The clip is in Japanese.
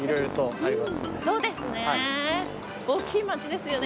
そうですね。